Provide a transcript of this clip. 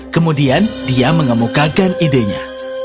kemudian dia mengemukakan idenya